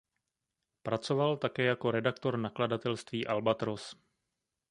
Pracoval také jako redaktor nakladatelství Albatros.